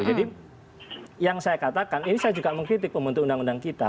jadi yang saya katakan ini saya juga mengkritik pembentuk undang undang kita